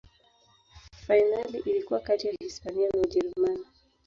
fainali ilikuwa kati ya hispania na ujerumani